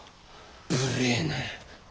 無礼な！